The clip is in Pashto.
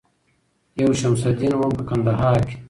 یو شمس الدین وم په کندهار کي